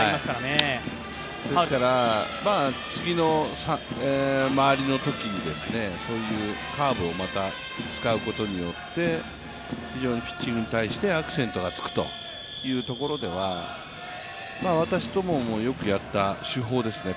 ですから次の回りのときにカーブをまた使うことによって非常にピッチングに対してアクセントがつくというところでは、私どももよくやった手法ですね。